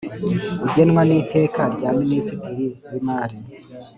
ugenwa n'Iteka rya Minisitiri w'Imari.